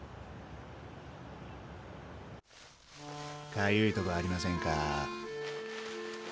かゆいとこありませんか？